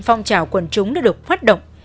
phong trào quần trúng đã được hoạt động